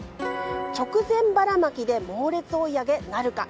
直前バラマキで猛烈追い上げなるか。